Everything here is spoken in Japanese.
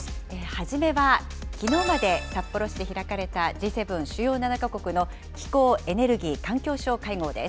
初めは、きのうまで札幌市で開かれたＧ７・主要７か国の気候・エネルギー・環境相会合です。